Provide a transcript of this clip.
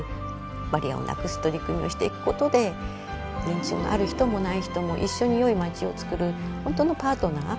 バリアをなくす取り組みをしていくことで認知症のある人もない人も一緒によい町をつくる本当のパートナー。